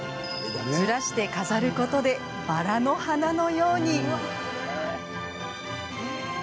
ずらして飾ることでバラの花のように。